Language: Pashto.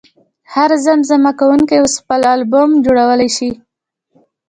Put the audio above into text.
هر زمزمه کوونکی اوس خپل البوم جوړولی شي.